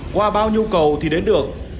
qua bao nhiêu cầu thì đến được